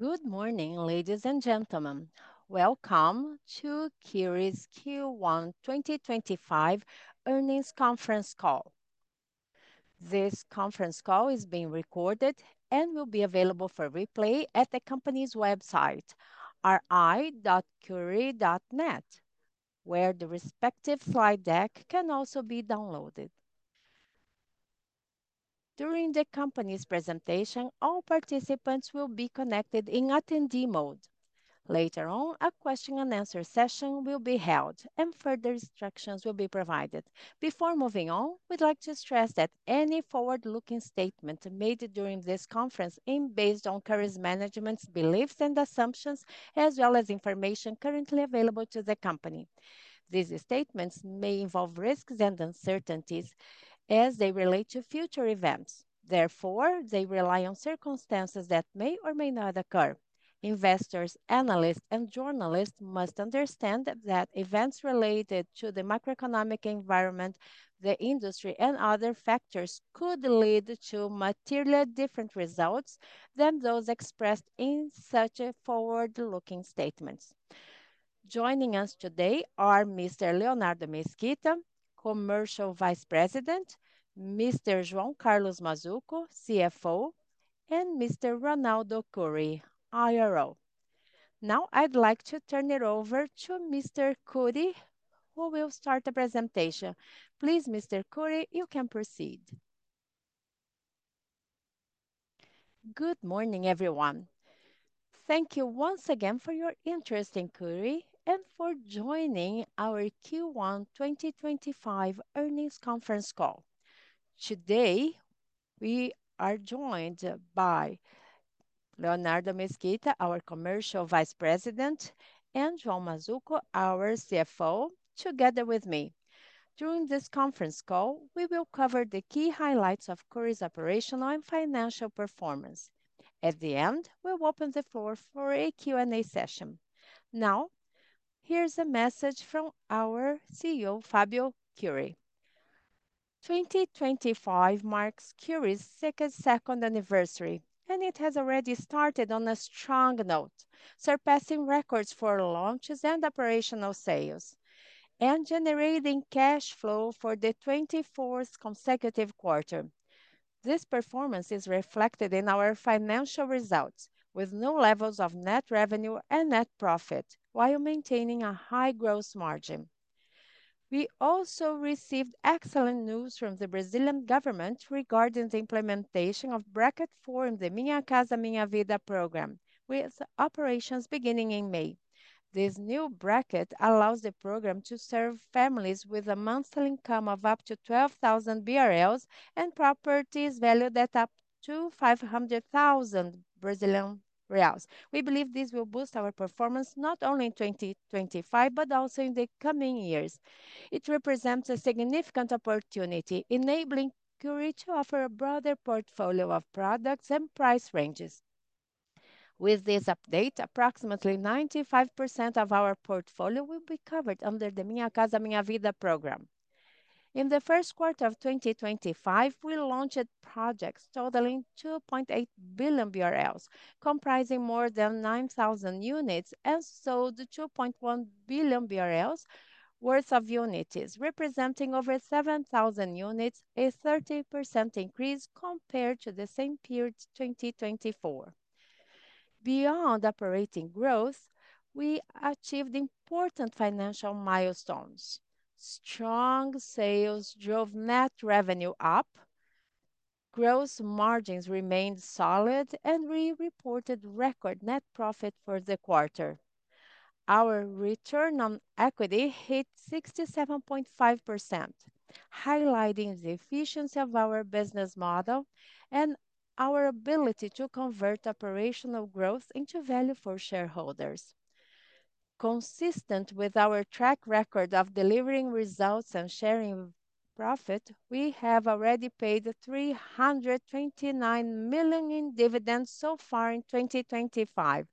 Good morning, ladies and gentlemen. Welcome to Cury Q1 2025 Earnings Conference Call. This conference call is being recorded and will be available for replay at the company's website, ri.cury.net, where the respective slide deck can also be downloaded. During the company's presentation, all participants will be connected in attendee mode. Later on, a question-and-answer session will be held, and further instructions will be provided. Before moving on, we'd like to stress that any forward-looking statement made during this conference is based on Cury's management's beliefs and assumptions, as well as information currently available to the company. These statements may involve risks and uncertainties as they relate to future events. Therefore, they rely on circumstances that may or may not occur. Investors, analysts, and journalists must understand that events related to the macroeconomic environment, the industry, and other factors could lead to materially different results than those expressed in such forward-looking statements. Joining us today are Mr. Leonardo Mesquita, Commercial Vice President; Mr. João Carlos Mazzuco, CFO; and Mr. Ronaldo Cury, IRO. Now, I'd like to turn it over to Mr. Cury, who will start the presentation. Please, Mr. Cury, you can proceed. Good morning, everyone. Thank you once again for your interest in Cury and for joining our Q1 2025 Earnings Conference Call. Today, we are joined by Leonardo Mesquita, our Commercial Vice President, and João Mazzuco, our CFO, together with me. During this conference call, we will cover the key highlights of Cury's operational and financial performance. At the end, we'll open the floor for a Q&A session. Now, here's a message from our CEO, Fabio Cury. 2025 marks Cury's second anniversary, and it has already started on a strong note, surpassing records for launches and operational sales and generating cash flow for the 24th consecutive quarter. This performance is reflected in our financial results, with new levels of net revenue and net profit while maintaining a high gross margin. We also received excellent news from the Brazilian government regarding the implementation of Bracket 4 in the Minha Casa Minha Vida program, with operations beginning in May. This new bracket allows the program to serve families with a monthly income of up to 12,000 BRL and properties valued at up to 500,000 Brazilian reais. We believe this will boost our performance not only in 2025 but also in the coming years. It represents a significant opportunity, enabling Cury to offer a broader portfolio of products and price ranges. With this update, approximately 95% of our portfolio will be covered under the Minha Casa Minha Vida program. In the first quarter of 2025, we launched projects totaling 2.8 billion BRL, comprising more than 9,000 units and sold 2.1 billion BRL worth of units, representing over 7,000 units, a 30% increase compared to the same period 2024. Beyond operating growth, we achieved important financial milestones. Strong sales drove net revenue up, gross margins remained solid, and we reported record net profit for the quarter. Our return on equity hit 67.5%, highlighting the efficiency of our business model and our ability to convert operational growth into value for shareholders. Consistent with our track record of delivering results and sharing profit, we have already paid 329 million in dividends so far in 2025,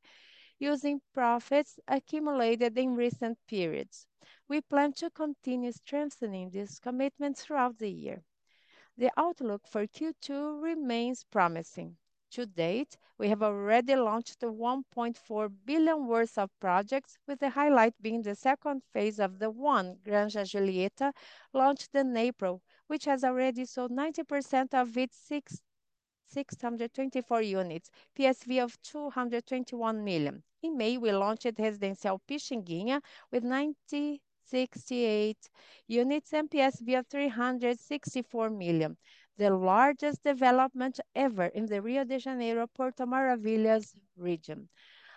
using profits accumulated in recent periods. We plan to continue strengthening this commitment throughout the year. The outlook for Q2 remains promising. To date, we have already launched 1.4 billion worth of projects, with the highlight being the second phase of The One-Granja Julieta, launched in April, which has already sold 90% of its 624 units, PSV of 221 million. In May, we launched Residencial Pixinguinha, with 968 units and PSV of 364 million, the largest development ever in the Rio de Janeiro-Porto Maravilha region.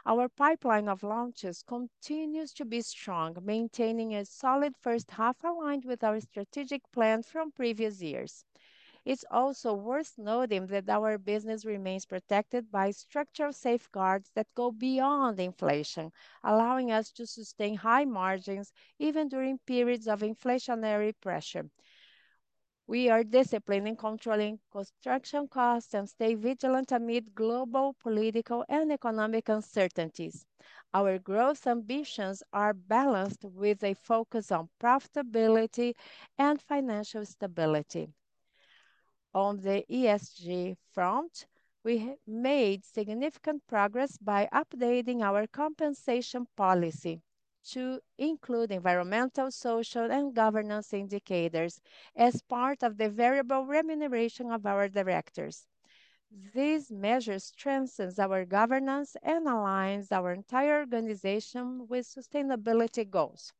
Our pipeline of launches continues to be strong, maintaining a solid first half aligned with our strategic plan from previous years. It's also worth noting that our business remains protected by structural safeguards that go beyond inflation, allowing us to sustain high margins even during periods of inflationary pressure. We are disciplined in controlling construction costs and stay vigilant amid global political and economic uncertainties. Our growth ambitions are balanced with a focus on profitability and financial stability. On the ESG front, we made significant progress by updating our compensation policy to include environmental, social, and governance indicators as part of the variable remuneration of our directors. These measures strengthen our governance and align our entire organization with sustainability goals.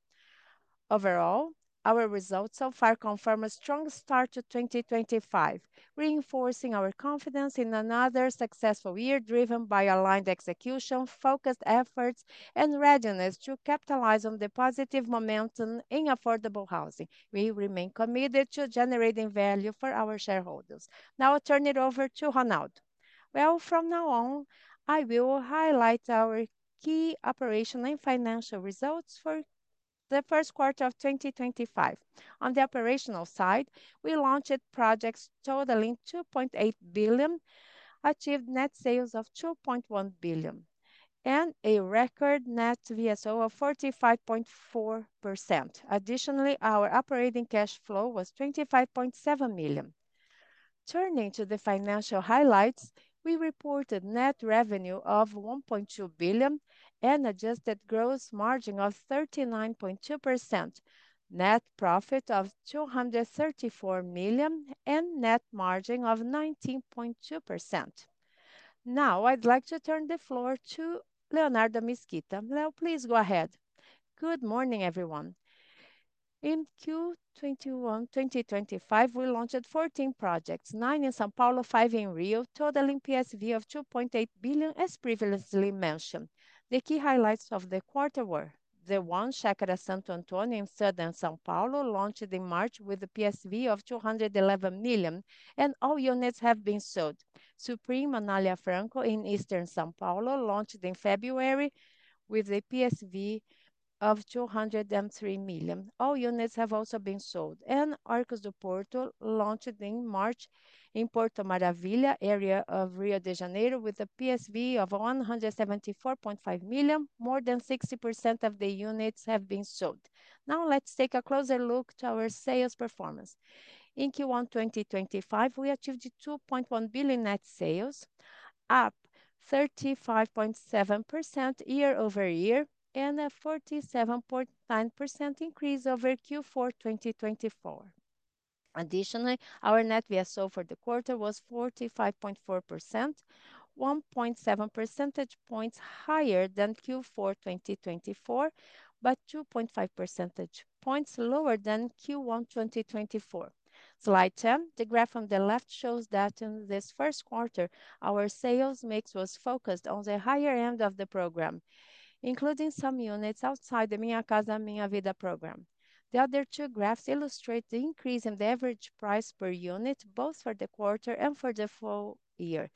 Overall, our results so far confirm a strong start to 2025, reinforcing our confidence in another successful year driven by aligned execution, focused efforts, and readiness to capitalize on the positive momentum in affordable housing. We remain committed to generating value for our shareholders. Now, I will turn it over to Ronaldo. From now on, I will highlight our key operational and financial results for the first quarter of 2025. On the operational side, we launched projects totaling 2.8 billion, achieved net sales of 2.1 billion, and a record net VSO of 45.4%. Additionally, our operating cash flow was 25.7 million. Turning to the financial highlights, we reported net revenue of 1.2 billion and adjusted gross margin of 39.2%, net profit of 234 million, and net margin of 19.2%. Now, I'd like to turn the floor to Leonardo Mesquita. Leonardo, please go ahead. Good morning, everyone. In Q2 2025, we launched 14 projects, nine in São Paulo and five in Rio, totaling PSV of 2.8 billion, as previously mentioned. The key highlights of the quarter were the one Chácara Santo Antônio in southern São Paulo, launched in March with a PSV of 211 million, and all units have been sold. Supreme Anália Franco in eastern São Paulo launched in February with a PSV of 203 million. All units have also been sold. Arcos do Porto launched in March in Porto Maravilha, area of Rio de Janeiro, with a PSV of 174.5 million. More than 60% of the units have been sold. Now, let's take a closer look at our sales performance. In Q1 2025, we achieved 2.1 billion net sales, up 35.7% year-over-year and a 47.9% increase over Q4 2024. Additionally, our net VSO for the quarter was 45.4%, 1.7 percentage points higher than Q4 2024, but 2.5 percentage points lower than Q1 2024. Slide 10, the graph on the left shows that in this first quarter, our sales mix was focused on the higher end of the program, including some units outside the Minha Casa Minha Vida program. The other two graphs illustrate the increase in the average price per unit, both for the quarter and for the full year.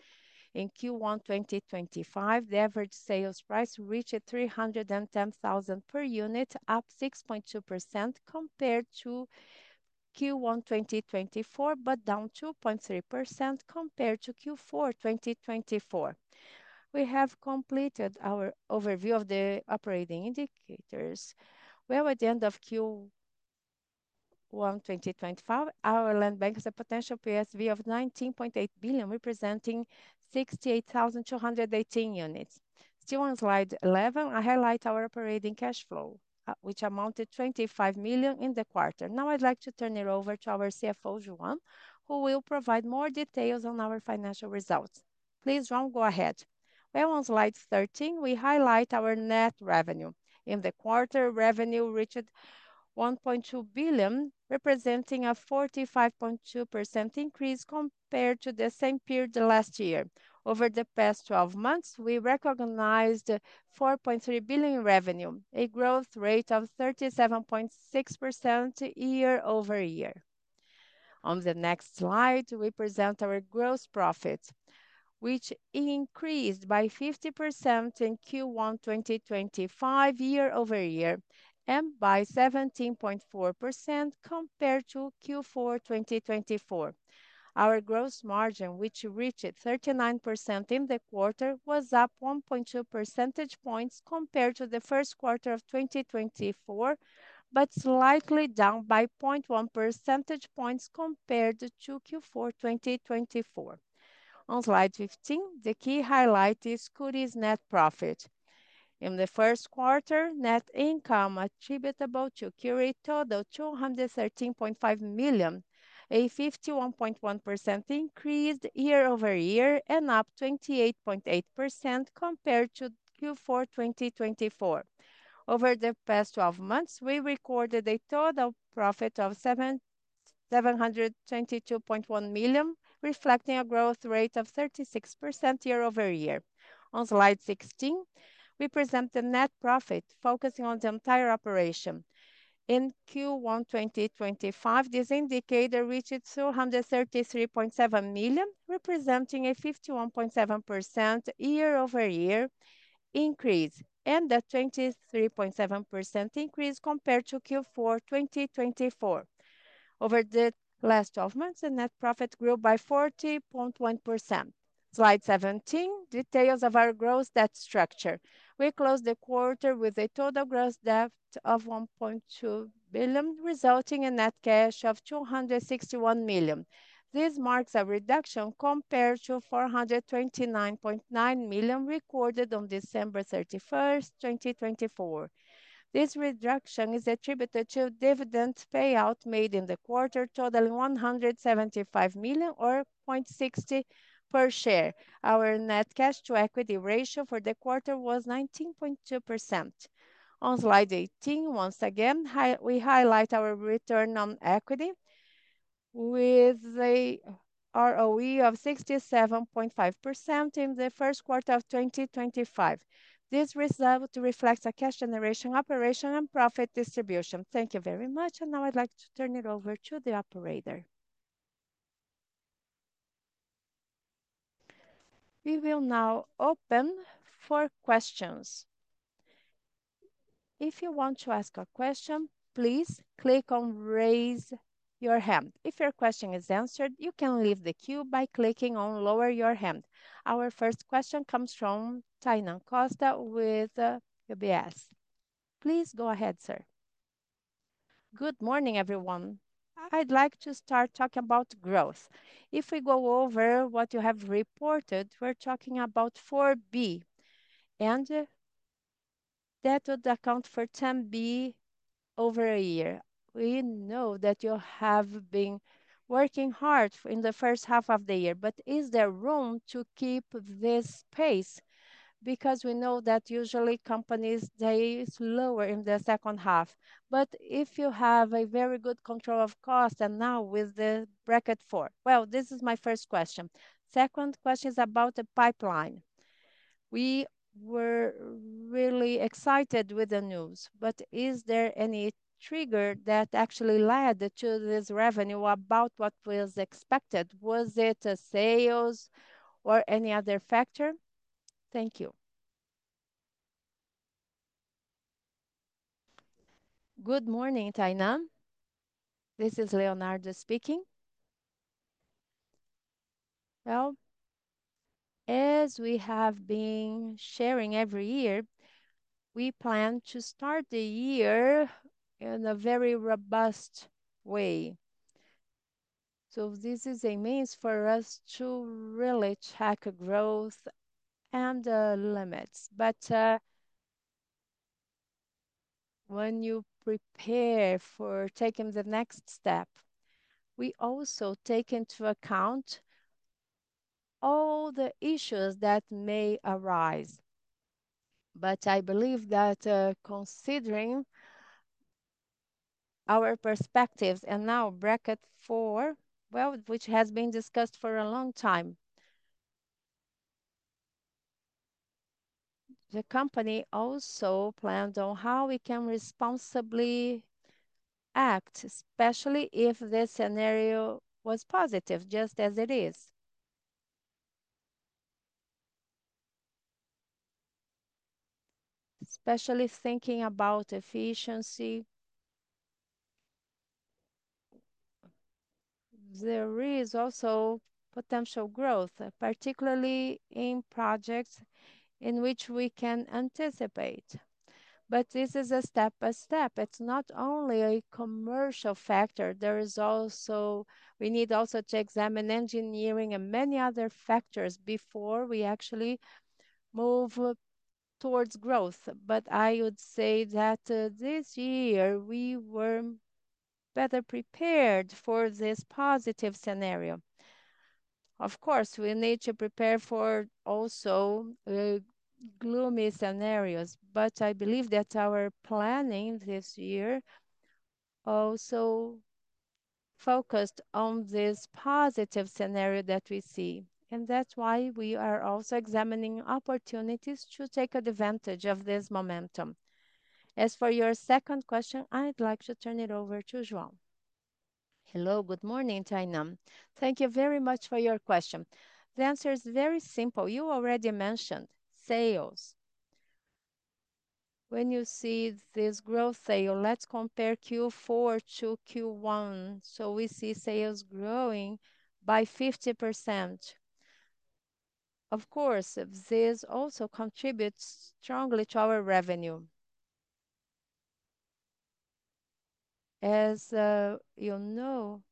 In Q1 2025, the average sales price reached 310,000 per unit, up 6.2% compared to Q1 2024, but down 2.3% compared to Q4 2024. We have completed our overview of the operating indicators. At the end of Q1 2025, our land bank has a potential PSV of 19.8 billion, representing 68,218 units. Still on slide 11, I highlight our operating cash flow, which amounted to 25 million in the quarter. Now, I'd like to turn it over to our CFO, João, who will provide more details on our financial results. Please, João, go ahead. On Slide 13, we highlight our net revenue. In the quarter, revenue reached 1.2 billion, representing a 45.2% increase compared to the same period last year. Over the past 12 months, we recognized 4.3 billion in revenue, a growth rate of 37.6% year-over-year. On the next slide, we present our gross profit, which increased by 50% in Q1 2025 year-over-year and by 17.4% compared to Q4 2024. Our gross margin, which reached 39% in the quarter, was up 1.2 percentage points compared to the first quarter of 2024, but slightly down by 0.1 percentage points compared to Q4 2024. On Slide 15, the key highlight is Cury's net profit. In the first quarter, net income attributable to Cury totaled 213.5 million, a 51.1% increase year-over-year and up 28.8% compared to Q4 2024. Over the past 12 months, we recorded a total profit of 722.1 million, reflecting a growth rate of 36% year-over-year. On Slide 16, we present the net profit, focusing on the entire operation. In Q1 2025, this indicator reached 233.7 million, representing a 51.7% year-over-year increase and a 23.7% increase compared to Q4 2024. Over the last 12 months, the net profit grew by 40.1%. Slide 17, details of our gross debt structure. We closed the quarter with a total gross debt of 1.2 billion, resulting in net cash of 261 million. This marks a reduction compared to 429.9 million recorded on December 31st, 2024. This reduction is attributed to dividend payout made in the quarter, totaling 175 million or 0.60 per share. Our net cash to equity ratio for the quarter was 19.2%. On Slide 18, once again, we highlight our return on equity with an ROE of 67.5% in the first quarter of 2025. This result reflects a cash generation operation and profit distribution. Thank you very much. Now I'd like to turn it over to the operator. We will now open for questions. If you want to ask a question, please click on raise your hand. If your question is answered, you can leave the queue by clicking on lower your hand. Our first question comes from Tainan Costa with UBS. Please go ahead, sir. Good morning, everyone. I'd like to start talking about growth. If we go over what you have reported, we're talking about 4 billion and that would account for 10 billion over a year. We know that you have been working hard in the first half of the year, but is there room to keep this pace? We know that usually companies, they slower in the second half. If you have a very good control of cost and now with the Bracket 4, this is my first question. Second question is about the pipeline. We were really excited with the news, but is there any trigger that actually led to this revenue about what was expected? Was it sales or any other factor? Thank you. Good morning, Tainan. This is Leonardo speaking. As we have been sharing every year, we plan to start the year in a very robust way. This is a means for us to really track growth and the limits. When you prepare for taking the next step, we also take into account all the issues that may arise. I believe that considering our perspectives and now Bracket 4, which has been discussed for a long time, the company also planned on how we can responsibly act, especially if this scenario was positive, just as it is. Especially thinking about efficiency, there is also potential growth, particularly in projects in which we can anticipate. This is a step by step. It's not only a commercial factor. We also need to examine engineering and many other factors before we actually move towards growth. I would say that this year we were better prepared for this positive scenario. Of course, we need to prepare for also gloomy scenarios, but I believe that our planning this year also focused on this positive scenario that we see. That is why we are also examining opportunities to take advantage of this momentum. As for your second question, I'd like to turn it over to João. Hello, good morning, Tainan. Thank you very much for your question. The answer is very simple. You already mentioned sales. When you see this growth sale, let's compare Q4 to Q1. We see sales growing by 50%. Of course, this also contributes strongly to our revenue. As you know,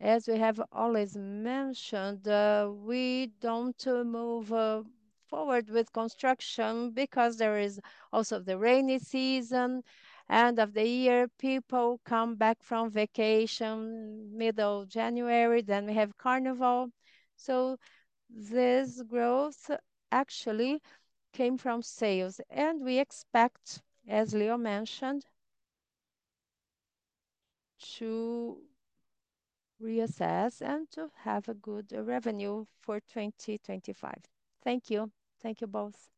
as we have always mentioned, we don't move forward with construction because there is also the rainy season end of the year. People come back from vacation middle January. Then we have Carnival. This growth actually came from sales. We expect, as Leo mentioned, to reassess and to have a good revenue for 2025. Thank you. Thank you both.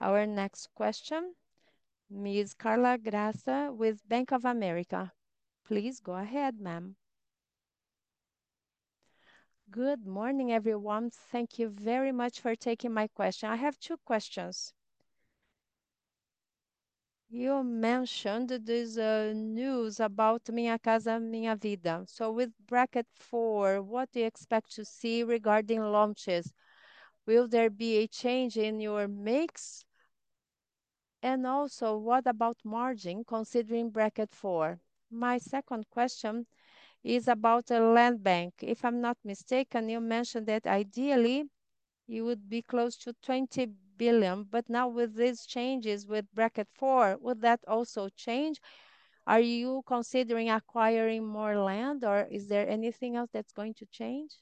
Our next question, Ms. Carla Graça with Bank of America. Please go ahead, ma'am. Good morning, everyone. Thank you very much for taking my question. I have two questions. You mentioned this news about Minha Casa Minha Vida. With Bracket 4, what do you expect to see regarding launches? Will there be a change in your mix? Also, what about margin considering Bracket 4? My second question is about a land bank. If I'm not mistaken, you mentioned that ideally you would be close to 20 billion. Now with these changes with bracket four, would that also change? Are you considering acquiring more land, or is there anything else that's going to change?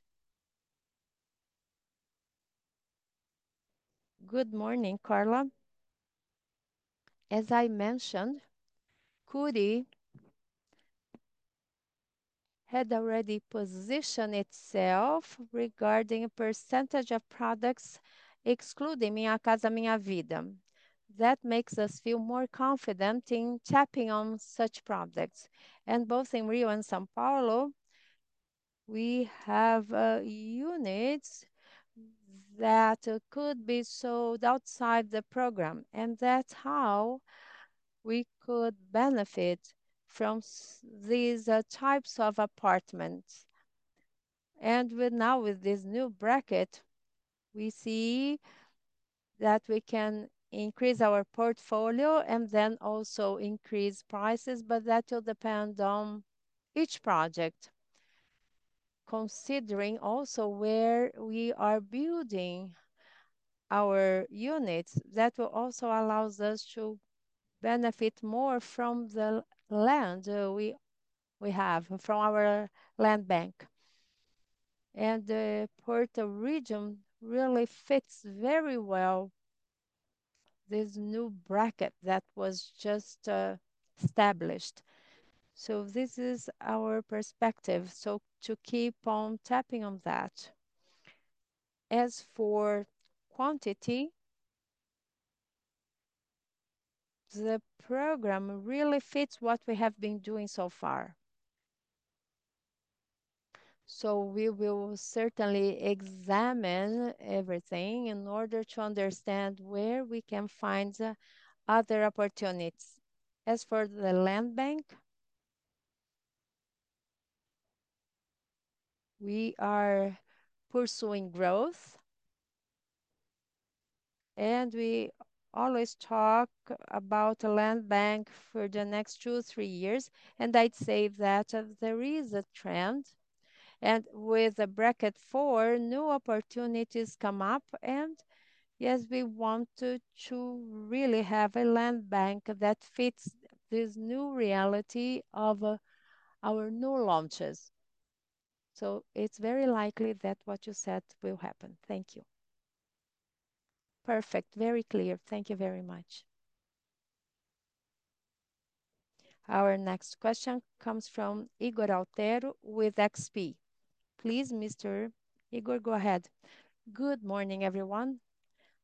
Good morning, Carla. As I mentioned, Cury had already positioned itself regarding a percentage of products excluding Minha Casa Minha Vida. That makes us feel more confident in tapping on such projects. Both in Rio and São Paulo, we have units that could be sold outside the program. That is how we could benefit from these types of apartments. Now with this new bracket, we see that we can increase our portfolio and then also increase prices, but that will depend on each project. Considering also where we are building our units, that will also allow us to benefit more from the land we have from our land bank. The Porto region really fits very well this new bracket that was just established. This is our perspective. To keep on tapping on that. As for quantity, the program really fits what we have been doing so far. We will certainly examine everything in order to understand where we can find other opportunities. As for the land bank, we are pursuing growth. We always talk about the land bank for the next two, three years. I'd say that there is a trend. With Bracket 4, new opportunities come up. Yes, we want to really have a land bank that fits this new reality of our new launches. It is very likely that what you said will happen. Thank you. Perfect. Very clear. Thank you very much. Our next question comes from Ygor Altero with XP. Please, Mr. Igor, go ahead. Good morning, everyone.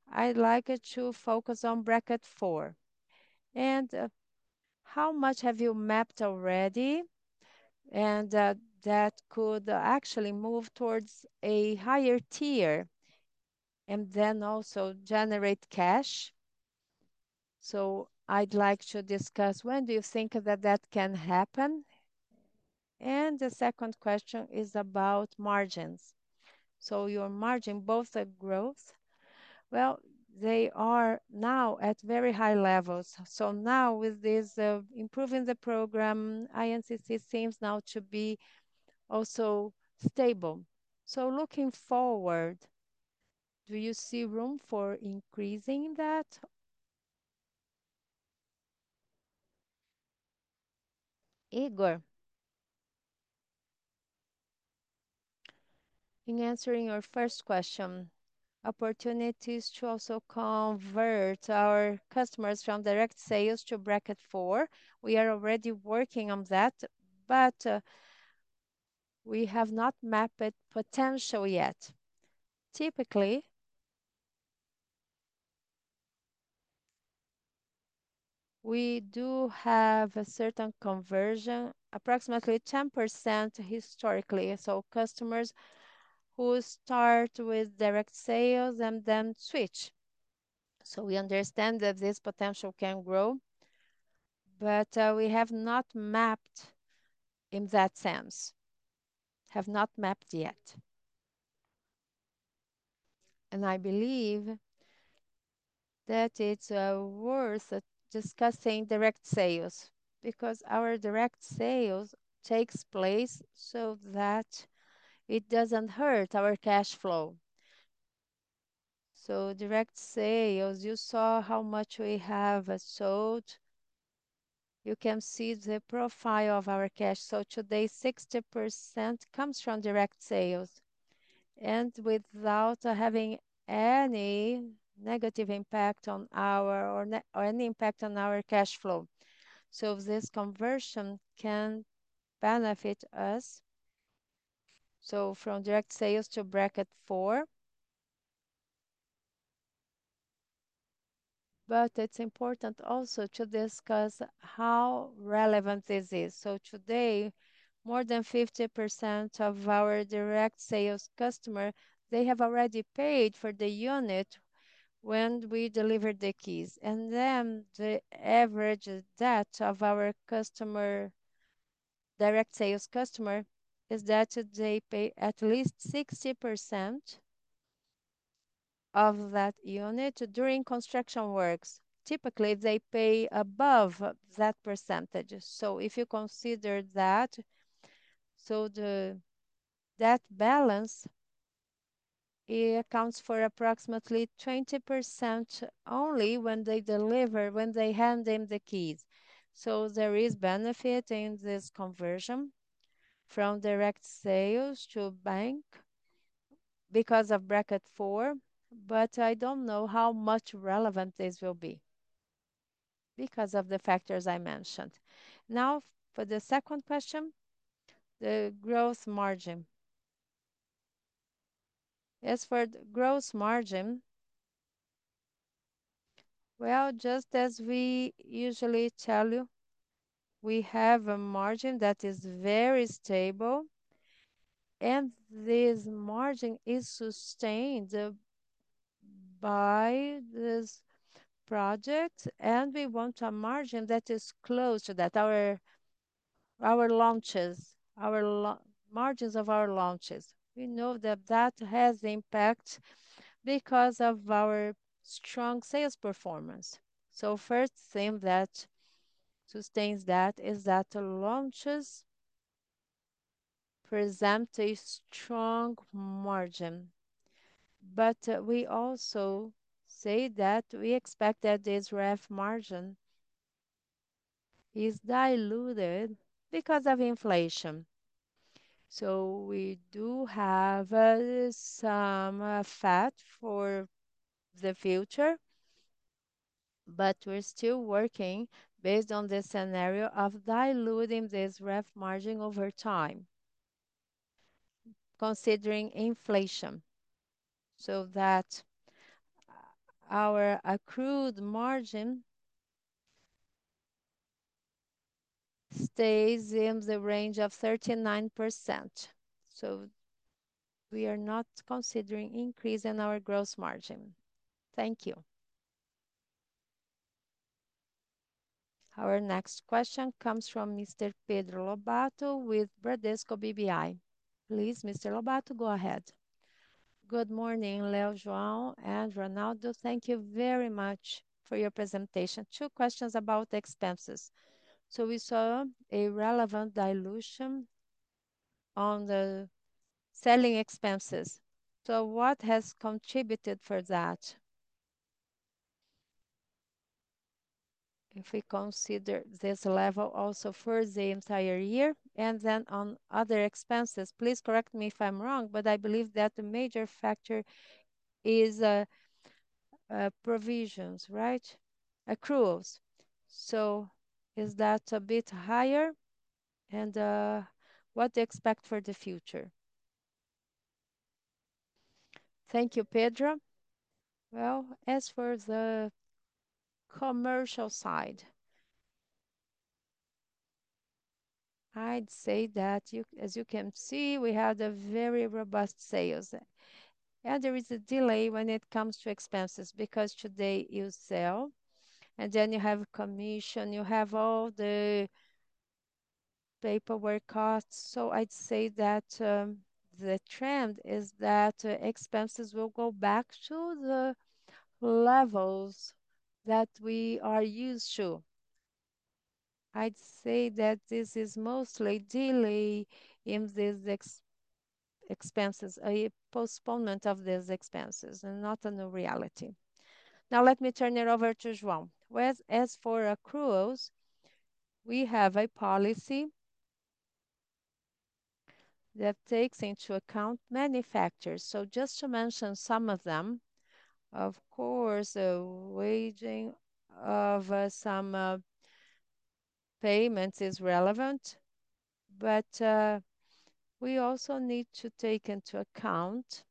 I'd like to focus on Bracket 4. How much have you mapped already? That could actually move towards a higher tier and then also generate cash. I would like to discuss when you think that can happen? The second question is about margins. Your margin, both of growth, they are now at very high levels. Now with this improving the program, INCC seems now to be also stable. Looking forward, do you see room for increasing that? Ygor, in answering your first question, opportunities to also convert our customers from direct sales to Bracket 4. We are already working on that, but we have not mapped potential yet. Typically, we do have a certain conversion, approximately 10% historically. Customers who start with direct sales and then switch. We understand that this potential can grow, but we have not mapped in that sense. Have not mapped yet. I believe that it's worth discussing direct sales because our direct sales takes place so that it doesn't hurt our cash flow. Direct sales, you saw how much we have sold. You can see the profile of our cash. Today, 60% comes from direct sales, and without having any negative impact on our or any impact on our cash flow. This conversion can benefit us, from direct sales to Bracket 4. It's important also to discuss how relevant this is. Today, more than 50% of our direct sales customers have already paid for the unit when we delivered the keys. The average debt of our customer, direct sales customer, is that they pay at least 60% of that unit during construction works. Typically, they pay above that percentage. If you consider that, that balance accounts for approximately 20% only when they deliver, when they hand in the keys. There is benefit in this conversion from direct sales to bank because of Bracket 4. I do not know how much relevant this will be because of the factors I mentioned. Now, for the second question, the growth margin. As for the growth margin, just as we usually tell you, we have a margin that is very stable. This margin is sustained by this project. We want a margin that is close to that, our launches, our margins of our launches. We know that that has impact because of our strong sales performance. The first thing that sustains that is that the launches present a strong margin. We also say that we expect that this ref margin is diluted because of inflation. We do have some fat for the future, but we're still working based on the scenario of diluting this ref margin over time, considering inflation. So that our accrued margin stays in the range of 39%. We are not considering increase in our growth margin. Thank you. Our next question comes from Mr. Pedro Lobato with Bradesco BBI. Please, Mr. Lobato, go ahead. Good morning, Leo, João, and Ronaldo. Thank you very much for your presentation. Two questions about expenses. We saw a relevant dilution on the selling expenses. What has contributed for that? If we consider this level also for the entire year and then on other expenses, please correct me if I'm wrong, but I believe that the major factor is provisions, right? Accruals. Is that a bit higher? What do you expect for the future? Thank you, Pedro. As for the commercial side, I'd say that as you can see, we had very robust sales. There is a delay when it comes to expenses because today you sell, and then you have commission, you have all the paperwork costs. I'd say that the trend is that expenses will go back to the levels that we are used to. I'd say that this is mostly delay in these expenses, a postponement of these expenses and not a new reality. Now, let me turn it over to João. As for accruals, we have a policy that takes into account many factors. Just to mention some of them, of course, the waging of some payments is relevant. We also need to take into account,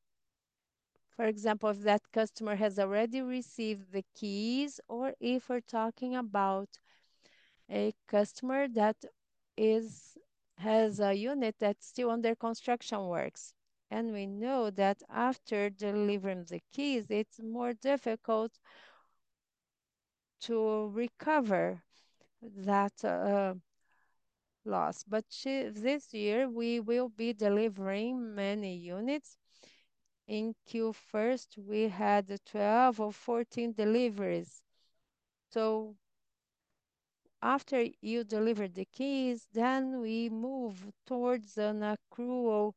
for example, if that customer has already received the keys or if we're talking about a customer that has a unit that's still under construction works. We know that after delivering the keys, it's more difficult to recover that loss. This year, we will be delivering many units. In Q1, we had 12 or 14 deliveries. After you deliver the keys, then we move towards an accrual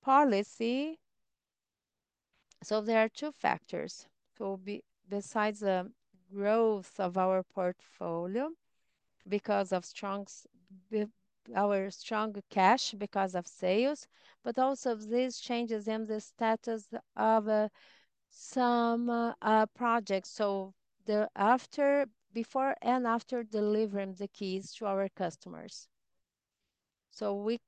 policy. There are two factors. Besides the growth of our portfolio because of our strong cash because of sales, but also these changes in the status of some projects. Before and after delivering the keys to our customers. We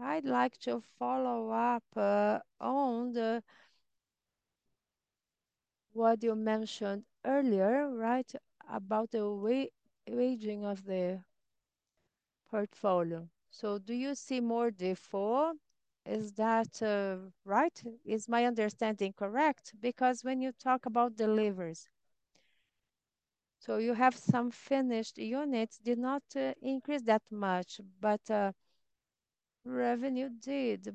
I'd like to follow up on what you mentioned earlier, right, about the waging of the portfolio. So do you see more default? Is that right? Is my understanding correct? Because when you talk about deliveries, you have some finished units, did not increase that much, but revenue did.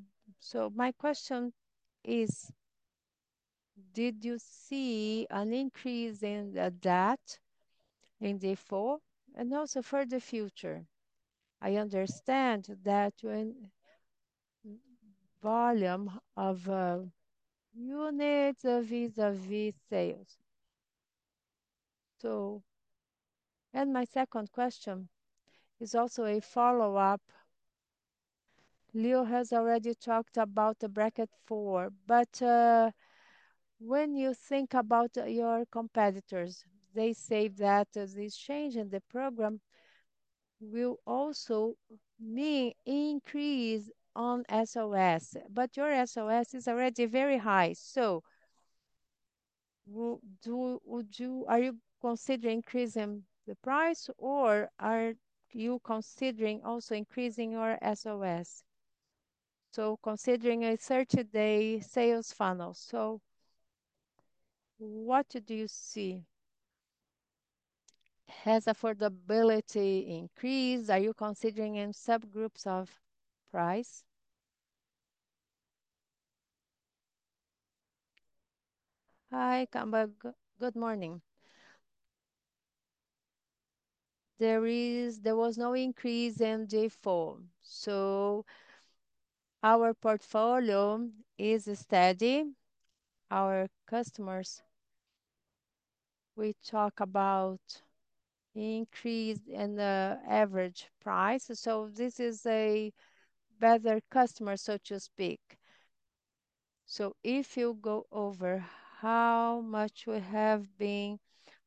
My question is, did you see an increase in that in default? Also for the future, I understand that volume of units vis-à-vis sales. My second question is also a follow-up. Leo has already talked about the Bracket 4, but when you think about your competitors, they say that this change in the program will also mean increase on SOS. Your SOS is already very high. Are you considering increasing the price or are you considering also increasing your SOS? Considering a 30-day sales funnel, what do you see? Has affordability increased? Are you considering in subgroups of price? Hi, Camba. Good morning. There was no increase in default. Our portfolio is steady. Our customers, we talk about increase in the average price. This is a better customer, so to speak. If you go over how much we have been,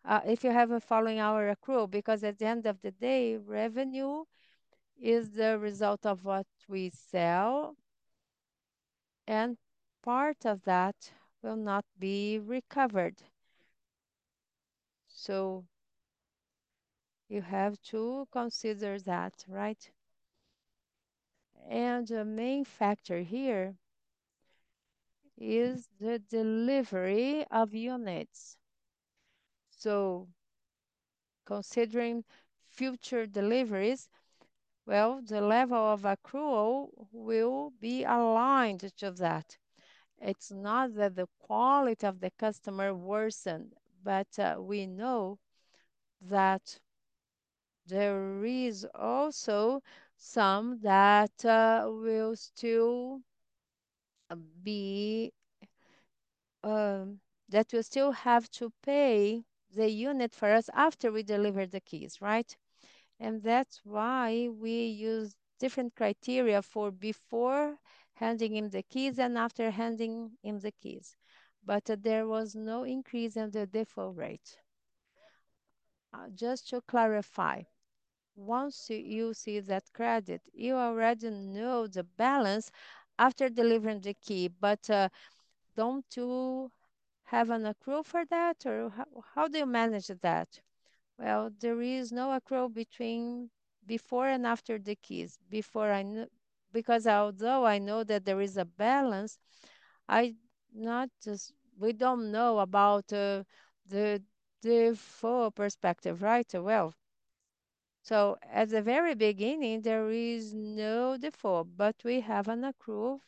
if you have been following our accrual, because at the end of the day, revenue is the result of what we sell. Part of that will not be recovered. You have to consider that, right? The main factor here is the delivery of units. Considering future deliveries, the level of accrual will be aligned to that. It's not that the quality of the customer worsened, but we know that there is also some that will still have to pay the unit for us after we deliver the keys, right? That is why we use different criteria for before handing in the keys and after handing in the keys. There was no increase in the default rate. Just to clarify, once you see that credit, you already know the balance after delivering the key, but do not you have an accrual for that? Or how do you manage that? There is no accrual between before and after the keys. Because although I know that there is a balance, we do not know about the default perspective, right? At the very beginning, there is no default, but we have an accrual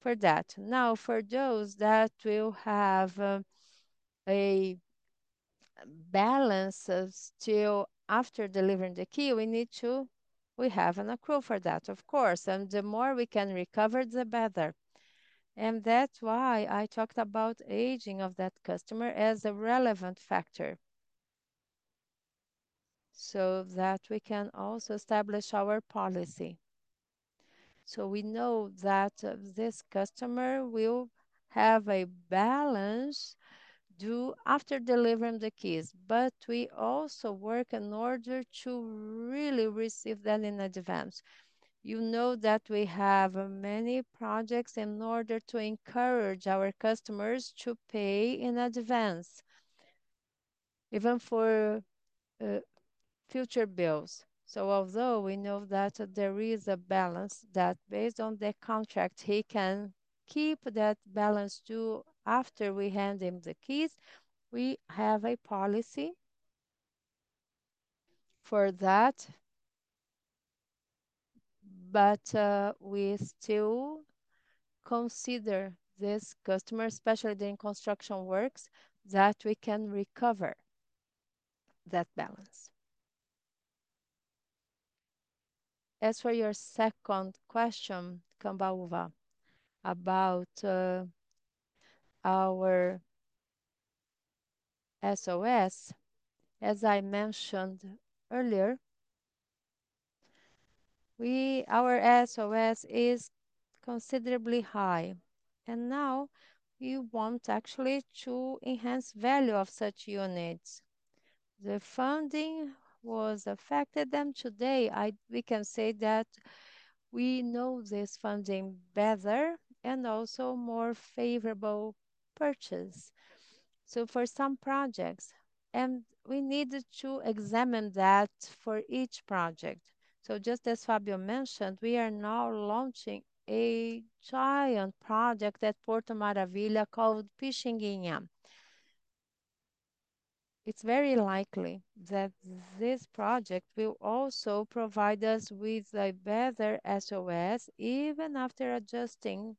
for that. Now, for those that will have a balance still after delivering the key, we need to have an accrual for that, of course. The more we can recover, the better. That is why I talked about aging of that customer as a relevant factor so that we can also establish our policy. We know that this customer will have a balance due after delivering the keys, but we also work in order to really receive them in advance. You know that we have many projects in order to encourage our customers to pay in advance, even for future bills. Although we know that there is a balance that, based on the contract, he can keep that balance due after we hand him the keys, we have a policy for that. We still consider this customer, especially during construction works, that we can recover that balance. As for your second question, Cambauva, about our SOS, as I mentioned earlier, our SOS is considerably high. Now we want actually to enhance the value of such units. The funding was affected today. We can say that we know this funding better and also more favorable purchase. For some projects, and we need to examine that for each project. Just as Fabio mentioned, we are now launching a giant project at Porto Maravilha called Pixinguinha. It is very likely that this project will also provide us with a better SOS even after adjusting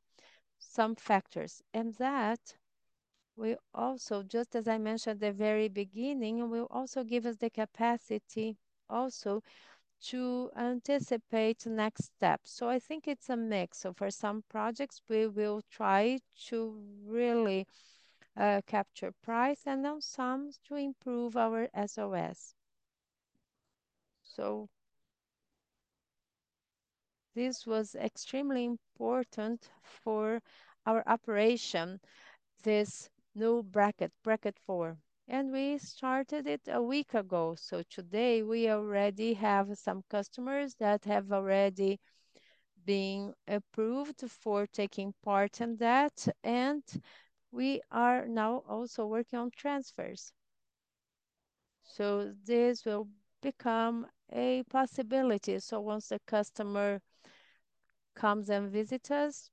some factors. That will also, just as I mentioned at the very beginning, also give us the capacity to anticipate the next steps. I think it is a mix. For some projects, we will try to really capture price and then some to improve our SOS. This was extremely important for our operation, this new bracket, Bracket 4. We started it a week ago. Today, we already have some customers that have already been approved for taking part in that. We are now also working on transfers. This will become a possibility. Once the customer comes and visits us,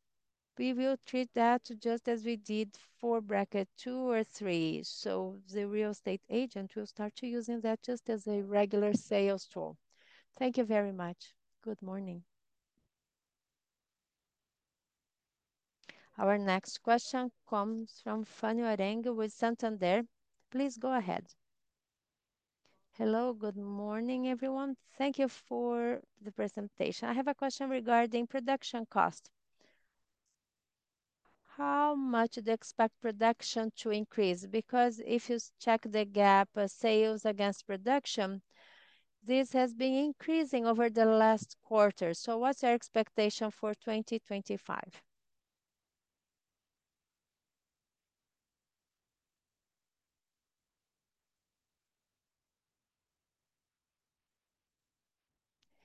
we will treat that just as we did for Bracket 2 or 3. The real estate gent will start using that just as a regular sales tool. Thank you very much. Good morning. Our next question comes from Fanny Oreng with Santander. Please go ahead. Hello, good morning, everyone. Thank you for the presentation. I have a question regarding production cost. How much do you expect production to increase? Because if you check the gap, sales against production, this has been increasing over the last quarter. What's your expectation for 2025?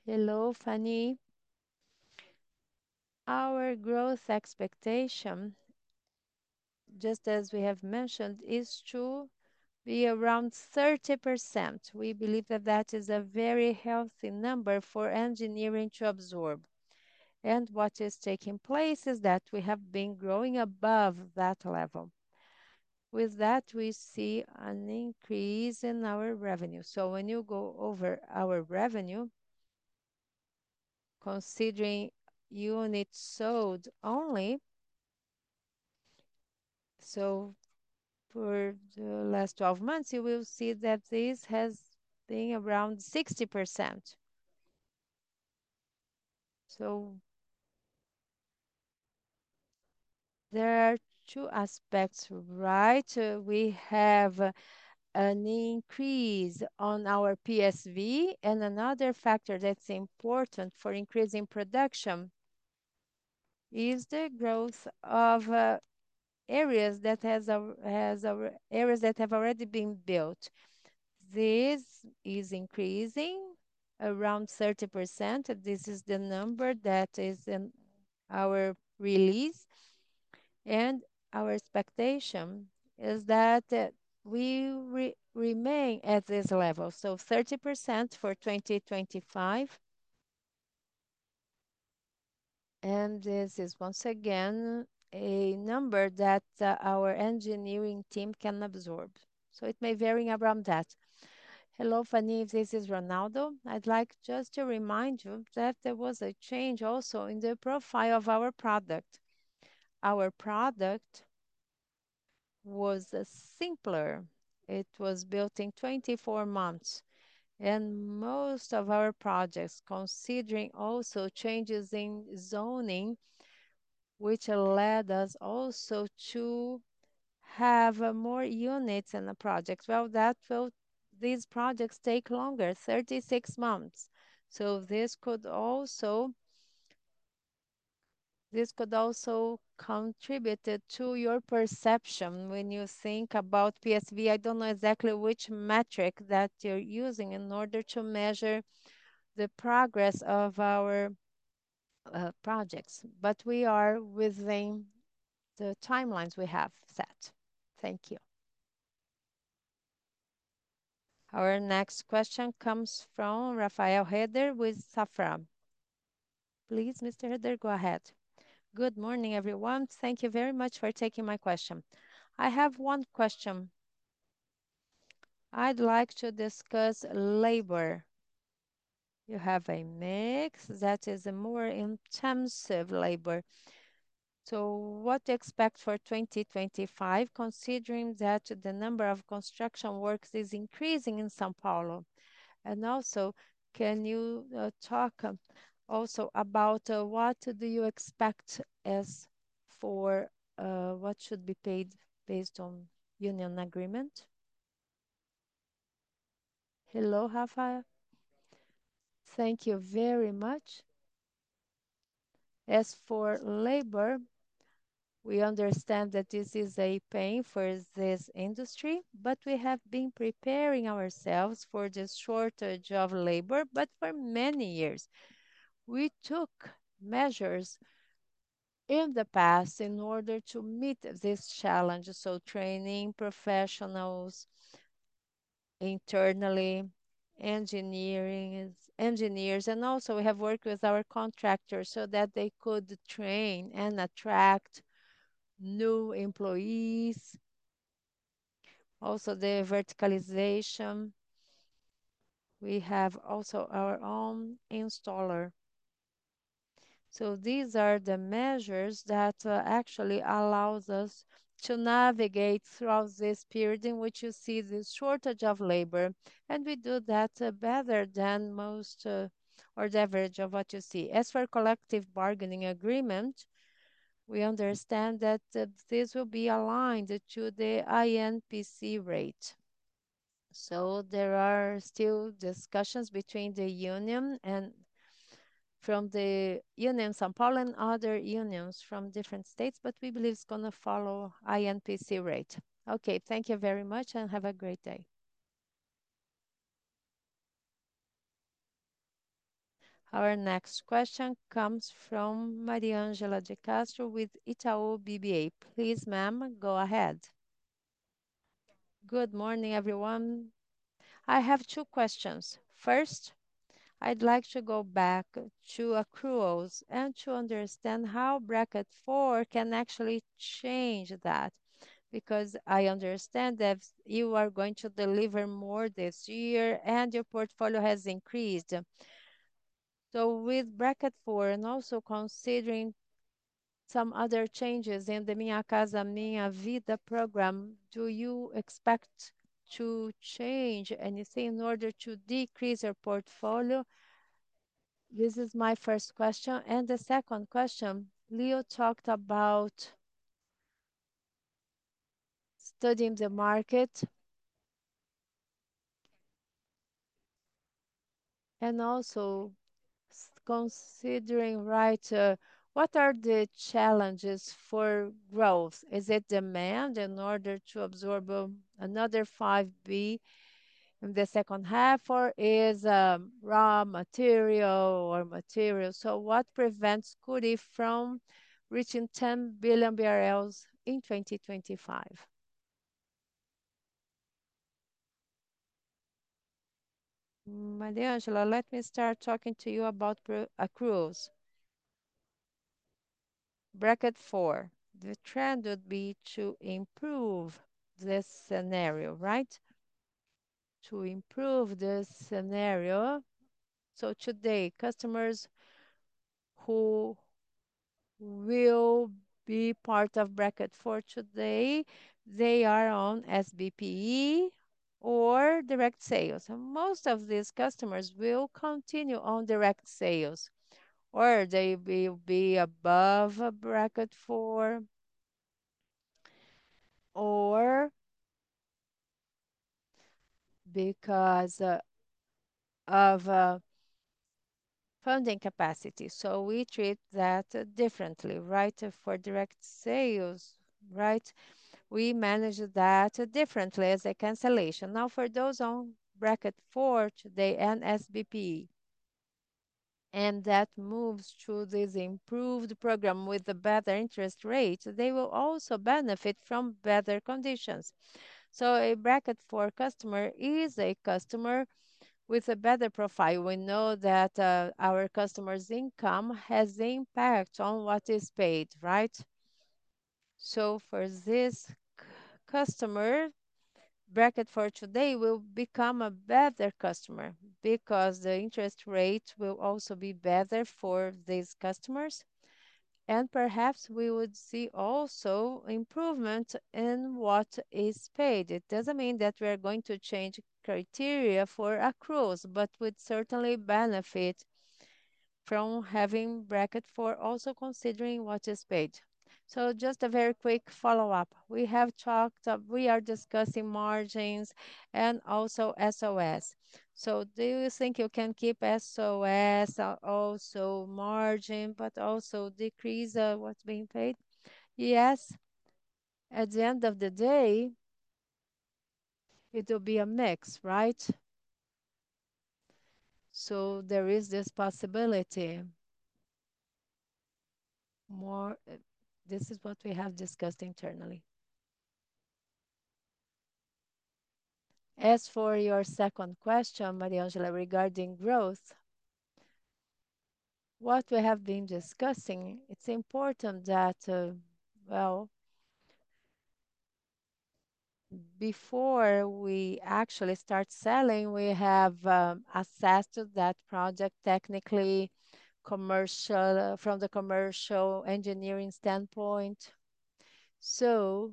Hello, Fanny. Our growth expectation, just as we have mentioned, is to be around 30%. We believe that that is a very healthy number for engineering to absorb. What is taking place is that we have been growing above that level. With that, we see an increase in our revenue. When you go over our revenue, considering units sold only, for the last 12 months, you will see that this has been around 60%. There are two aspects, right? We have an increase on our PSV, and another factor that's important for increasing production is the growth of areas that have already been built. This is increasing around 30%. This is the number that is in our release. Our expectation is that we remain at this level. 30% for 2025. This is once again a number that our engineering team can absorb. It may vary around that. Hello, Fanny. This is Ronaldo. I'd like just to remind you that there was a change also in the profile of our product. Our product was simpler. It was built in 24 months. Most of our projects, considering also changes in zoning, which led us also to have more units in the project, take longer, 36 months. This could also contribute to your perception when you think about PSV. I do not know exactly which metric that you are using in order to measure the progress of our projects. We are within the timelines we have set. Thank you. Our next question comes from Rafael Rehder with Safra. Please, Mr. Rehder, go ahead. Good morning, everyone. Thank you very much for taking my question. I have one question. I'd like to discuss labor. You have a mix that is more intensive labor. What to expect for 2025, considering that the number of construction works is increasing in São Paulo? Also, can you talk also about what do you expect as for what should be paid based on union agreement? Hello, Rafael. Thank you very much. As for labor, we understand that this is a pain for this industry, but we have been preparing ourselves for this shortage of labor. For many years, we took measures in the past in order to meet this challenge. Training professionals internally, engineers, and also we have worked with our contractors so that they could train and attract new employees. Also, the verticalization. We have also our own installer. These are the measures that actually allow us to navigate throughout this period in which you see the shortage of labor. We do that better than most or the average of what you see. As for collective bargaining agreement, we understand that this will be aligned to the INPC rate. There are still discussions between the union and from the union, São Paulo, and other unions from different states, but we believe it is going to follow INPC rate. Okay, thank you very much and have a great day. Our next question comes from Mariangela de Castro with Itaú BBA. Please, ma'am, go ahead. Good morning, everyone. I have two questions. First, I would like to go back to accruals and to understand how Bracket 4 can actually change that. Because I understand that you are going to deliver more this year and your portfolio has increased. With Bracket 4 and also considering some other changes in the Minha Casa Minha Vida program, do you expect to change anything in order to decrease your portfolio? This is my first question. The second question, Leo talked about studying the market. Also considering, right, what are the challenges for growth? Is it demand in order to absorb another 5 billion in the second half, or is it raw material or material? What prevents Cury from reaching 10 billion BRL in 2025? Mariangela, let me start talking to you about accruals. Bracket 4, the trend would be to improve this scenario, right? To improve this scenario. Today, customers who will be part of Bracket 4 today, they are on SBPE or direct sales. Most of these customers will continue on direct sales, or they will be above Bracket 4, or because of funding capacity. We treat that differently, right? For direct sales, right? We manage that differently as a cancellation. Now, for those on Bracket 4 today and SBPE, and that moves to this improved program with a better interest rate, they will also benefit from better conditions. A Bracket 4 customer is a customer with a better profile. We know that our customer's income has impact on what is paid, right? For this customer, Bracket 4 today will become a better customer because the interest rate will also be better for these customers. Perhaps we would see also improvement in what is paid. It does not mean that we are going to change criteria for accruals, but would certainly benefit from having Bracket 4 also considering what is paid. Just a very quick follow-up. We have talked of we are discussing margins and also SOS. Do you think you can keep SOS, also margin, but also decrease what's being paid? Yes. At the end of the day, it will be a mix, right? There is this possibility. This is what we have discussed internally. As for your second question, Mariangela, regarding growth, what we have been discussing, it's important that, before we actually start selling, we have assessed that project technically from the commercial engineering standpoint. All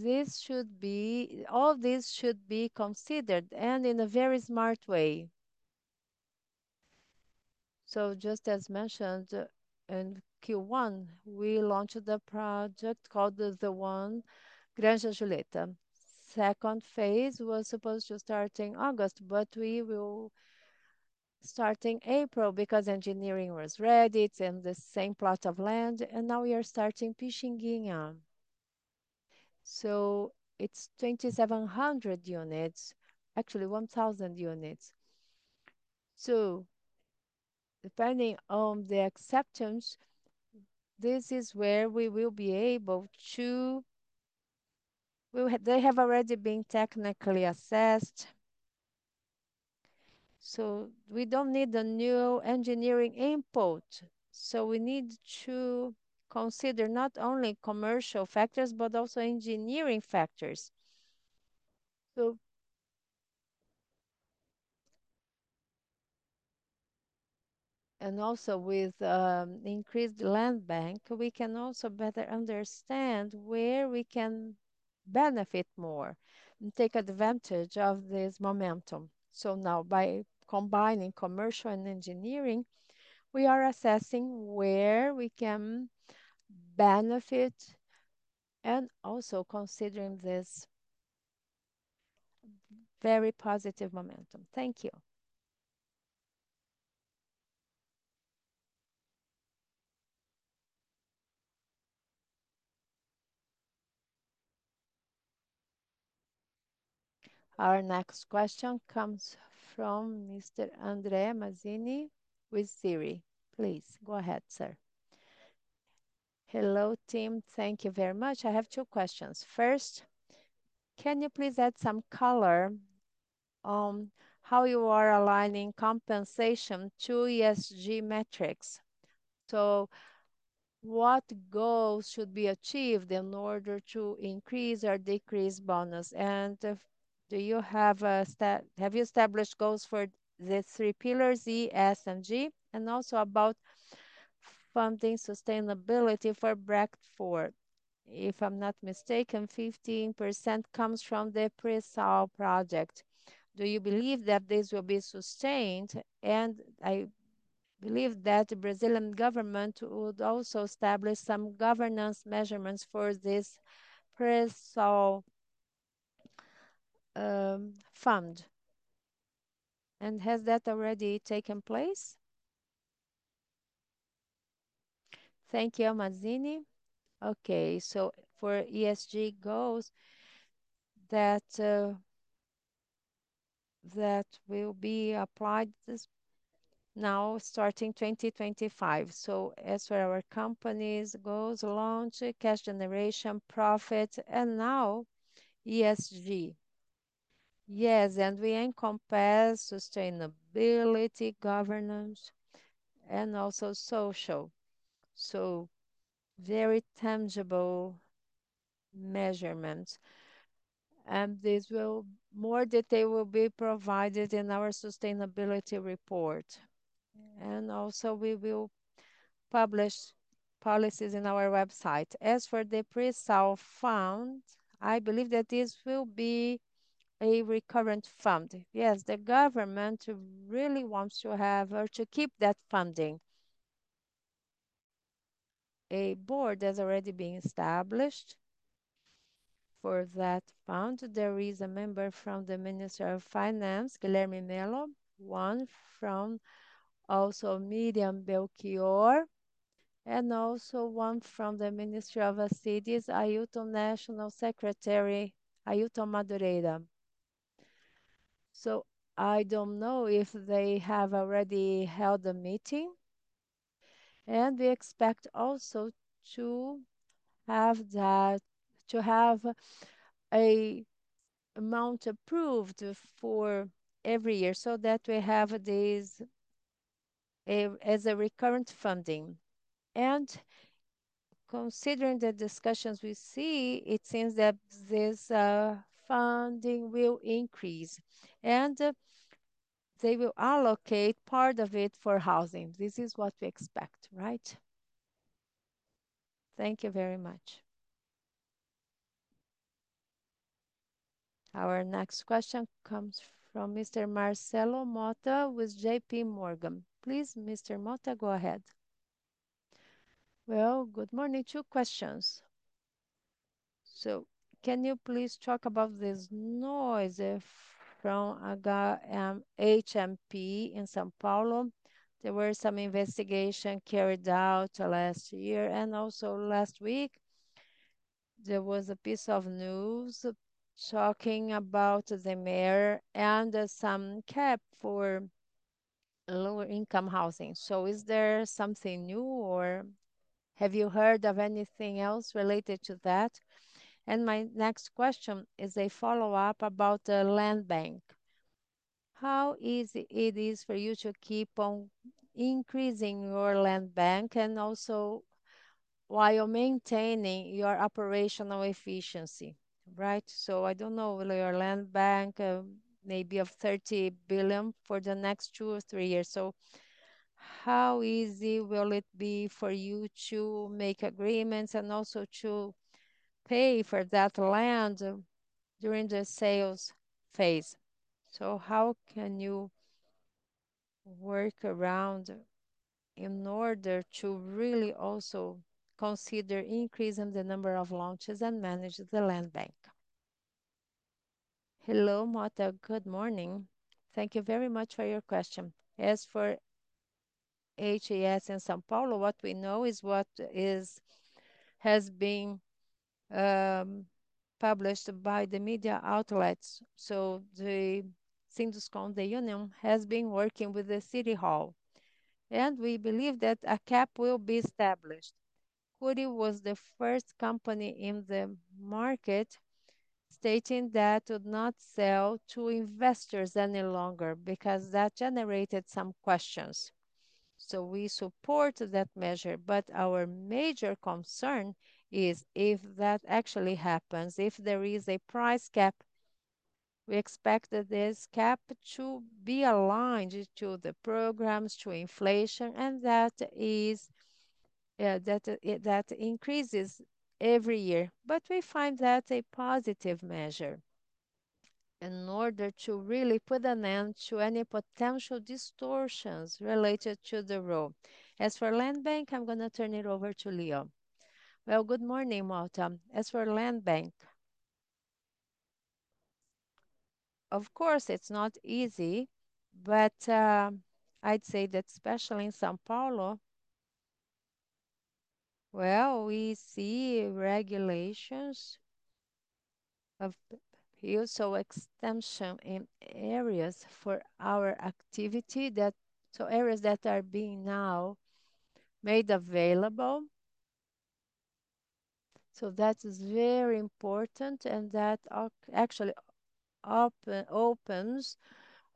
this should be considered and in a very smart way. Just as mentioned in Q1, we launched the project called The One-Granja Julieta. Second phase was supposed to start in August, but we will start in April because engineering was ready and the same plot of land. Now we are starting Pixinguinha. It's 2,700 units, actually 1,000 units. Depending on the acceptance, this is where we will be able to, they have already been technically assessed. We do not need a new engineering input. We need to consider not only commercial factors, but also engineering factors. Also, with increased land bank, we can better understand where we can benefit more and take advantage of this momentum. Now, by combining commercial and engineering, we are assessing where we can benefit and also considering this very positive momentum. Thank you. Our next question comes from Mr. André Mazzini with Citi. Please go ahead, sir. Hello, team. Thank you very much. I have two questions. First, can you please add some color on how you are aligning compensation to ESG metrics? What goals should be achieved in order to increase or decrease bonus? Do you have, have you established goals for the three pillars, E, S, and G? Also about funding sustainability for Bracket 4. If I'm not mistaken, 15% comes from the PreSol project. Do you believe that this will be sustained? I believe that the Brazilian government would also establish some governance measurements for this PreSol fund. Has that already taken place? Thank you, Mazzini. Okay, for ESG goals that will be applied now starting 2025. As for our company's goals, launch, cash generation, profit, and now ESG. Yes, we encompass sustainability, governance, and also social. Very tangible measurements. More detail will be provided in our sustainability report. We will publish policies on our website. As for the PreSol fund, I believe that this will be a recurrent fund. Yes, the government really wants to have or to keep that funding. A board has already been established for that fund. There is a member from the Ministry of Finance, Guilherme Melo, one from also Miriam Belchior, and also one from the Ministry of Cities, National Secretary Ailton Madureira. I do not know if they have already held a meeting. We expect also to have that, to have an amount approved for every year so that we have this as a recurrent funding. Considering the discussions we see, it seems that this funding will increase. They will allocate part of it for housing. This is what we expect, right? Thank you very much. Our next question comes from Mr. Marcelo Motta with JPMorgan. Please, Mr. Motta, go ahead. Good morning. Two questions. Can you please talk about this noise from HMP in São Paulo? There were some investigations carried out last year and also last week. There was a piece of news talking about the mayor and some cap for lower-income housing. Is there something new or have you heard of anything else related to that? My next question is a follow-up about the land bank. How easy is it for you to keep on increasing your land bank and also while maintaining your operational efficiency, right? I do not know whether your land bank may be of 30 billion for the next two or three years. How easy will it be for you to make agreements and also to pay for that land during the sales phase? How can you work around in order to really also consider increasing the number of launches and manage the land bank? Hello, Marta. Good morning. Thank you very much for your question. As for HAS in São Paulo, what we know is what has been published by the media outlets. The Sinduscon de Unão has been working with the City Hall. We believe that a cap will be established. Cury was the first company in the market stating that it would not sell to investors any longer because that generated some questions. We support that measure, but our major concern is if that actually happens, if there is a price cap, we expect this cap to be aligned to the programs, to inflation, and that is that increases every year. We find that a positive measure in order to really put an end to any potential distortions related to the role. As for land bank, I am going to turn it over to Leo. Good morning, Marta. As for land bank, of course, it is not easy, but I would say that especially in São Paulo, we see regulations of fuel cell extension in areas for our activity, areas that are being now made available. That is very important and that actually opens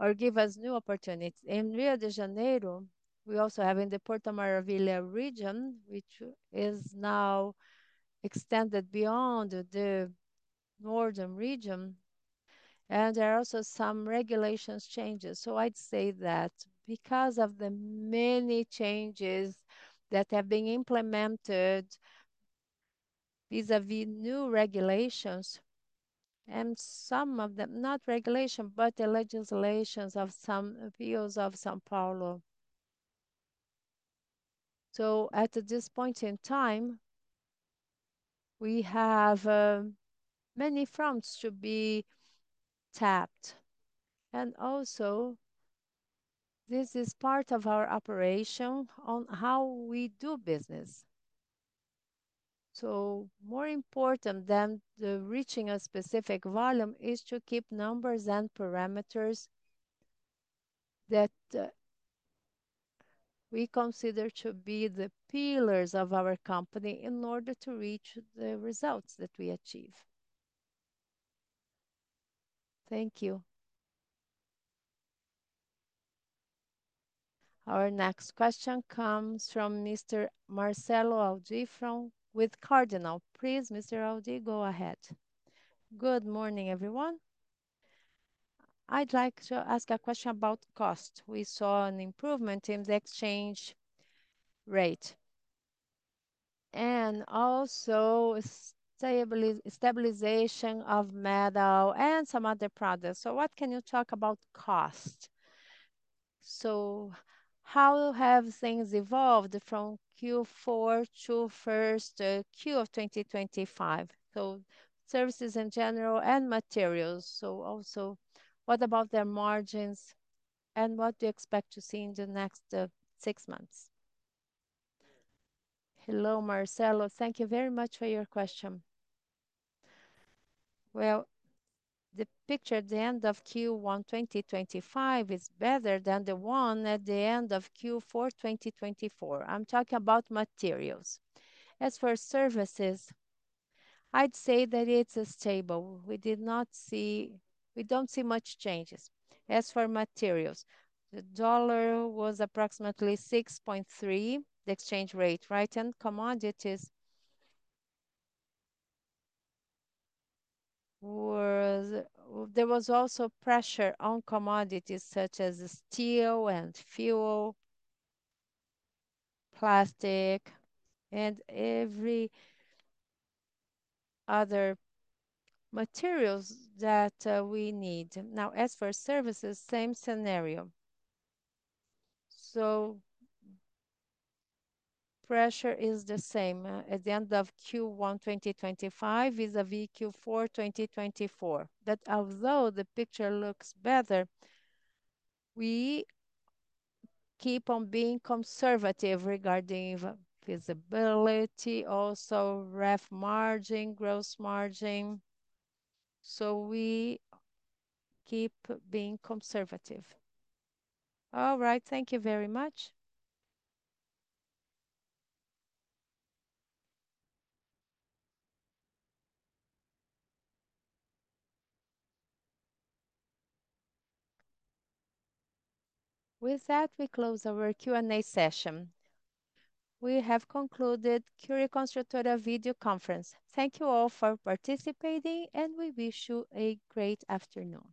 or gives us new opportunities. In Rio de Janeiro, we also have in the Porto Maravilha region, which is now extended beyond the northern region. There are also some regulations changes. I would say that because of the many changes that have been implemented vis-à-vis new regulations and some of them, not regulations, but the legislations of some fields of São Paulo. At this point in time, we have many fronts to be tapped. Also, this is part of our operation on how we do business. More important than reaching a specific volume is to keep numbers and parameters that we consider to be the pillars of our company in order to reach the results that we achieve. Thank you. Our next question comes from Mr. Marcelo Aldifron with Cardinal. Please, Mr. Aldi, go ahead. Good morning, everyone. I'd like to ask a question about cost. We saw an improvement in the exchange rate and also stabilization of metal and some other products. What can you talk about cost? How have things evolved from Q4 to first Q of 2025? Services in general and materials. Also, what about their margins and what do you expect to see in the next six months? Hello, Marcelo. Thank you very much for your question. The picture at the end of Q1 2025 is better than the one at the end of Q4 2024. I'm talking about materials. As for services, I'd say that it's stable. We did not see, we don't see much changes. As for materials, the dollar was approximately $6.3, the exchange rate, right? And commodities, there was also pressure on commodities such as steel and fuel, plastic, and every other materials that we need. Now, as for services, same scenario. Pressure is the same at the end of Q1 2025 vis-à-vis Q4 2024. Although the picture looks better, we keep on being conservative regarding visibility, also ref margin, gross margin. We keep being conservative. All right, thank you very much. With that, we close our Q&A session. We have concluded Cury Construtora video conference. Thank you all for participating, and we wish you a great afternoon.